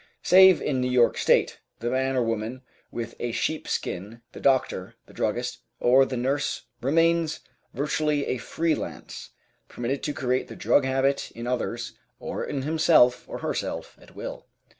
Save in New York State, the man or woman with a sheep skin the doctor, the druggist, or the nurse remains virtually a free lance, permitted to create the drug habit in others or in himself or herself at will.